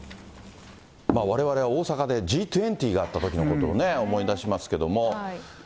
われわれは大阪でＧ２０があったときのことを思い出しますけれども。